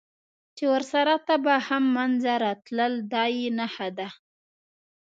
چې ورسره تبه هم منځته راتلل، دا یې نښه ده.